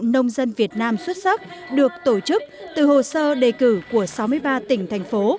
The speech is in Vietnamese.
nông dân việt nam xuất sắc được tổ chức từ hồ sơ đề cử của sáu mươi ba tỉnh thành phố